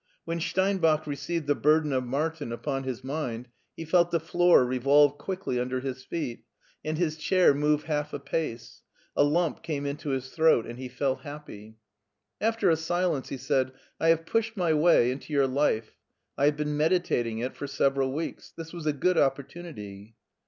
When Stein bach received the burden of Martin upon his mind he felt the floor revolve quickly under his feet, and his chair move half a pace ; a lump came into his throat and he felt happy. After a silence he said : "I have pushed my way into your life. I have been meditating it for several weeks. This was a good opportunity."